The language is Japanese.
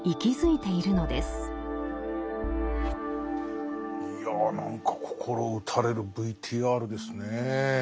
いや何か心打たれるＶＴＲですねえ。